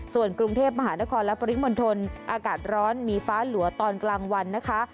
ส่วนกรุงเทพมหานครและปริมณฑลอากาศร้อนมีฟ้าหลัวตอนกลางวันนะคะ